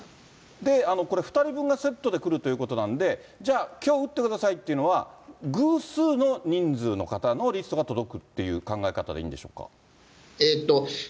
で、これ２人分がセットで来るということなんで、じゃあきょう打ってくださいというのは、偶数の人数の方のリストが届くっていう考え方でいいんでしょうか。